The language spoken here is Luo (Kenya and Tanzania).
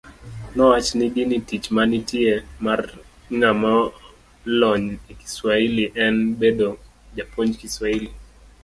Nowachnigi ni tich manitie mar ng'amolony e Kiswahili en bedo japuonj Kiswahili.